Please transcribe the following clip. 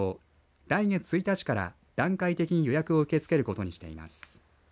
来月１日から段階的に予約を受け付けることにしています。